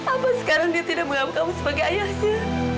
apa sekarang dia tidak menganggap kamu sebagai ayahnya